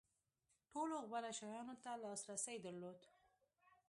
ټولو غوره شیانو ته لاسرسی درلود.